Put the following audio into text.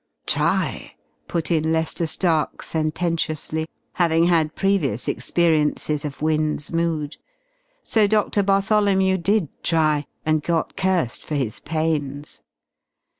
"Try," put in Lester Stark sententiously, having had previous experiences of Wynne's mood, so Doctor Bartholomew did try, and got cursed for his pains.